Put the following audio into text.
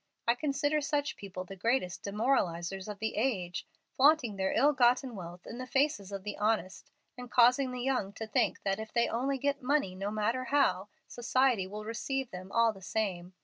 I consider such people the greatest demoralizers of the age, flaunting their ill gotten wealth in the faces of the honest, and causing the young to think that if they only get money, no matter how, society will receive them all the same.